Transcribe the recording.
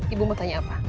ibu mau tanya apa